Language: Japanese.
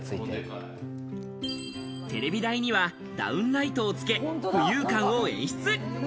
テレビ台にはダウンライトをつけ、浮遊感を演出。